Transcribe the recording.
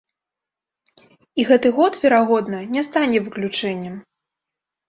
І гэты год, верагодна, не стане выключэннем.